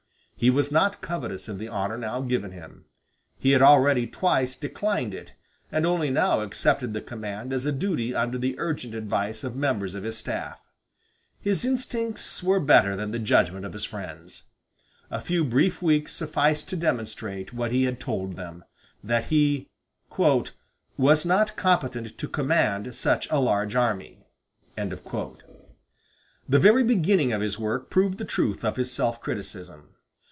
He was not covetous of the honor now given him. He had already twice declined it, and only now accepted the command as a duty under the urgent advice of members of his staff. His instincts were better than the judgment of his friends. A few brief weeks sufficed to demonstrate what he had told them that he "was not competent to command such a large army." The very beginning of his work proved the truth of his self criticism.